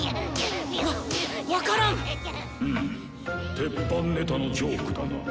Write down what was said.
鉄板ネタのジョークだな。